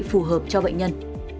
phù hợp cho bệnh nhân